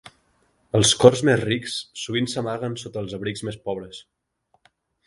Els cors més rics sovint s'amaguen sota els abrics més pobres.